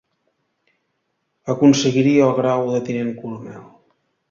Aconseguiria el grau de tinent coronel.